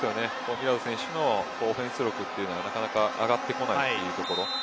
ミラド選手のディフェンス力がなかなか上がってこないというところ。